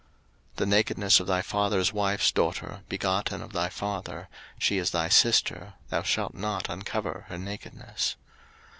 03:018:011 The nakedness of thy father's wife's daughter, begotten of thy father, she is thy sister, thou shalt not uncover her nakedness.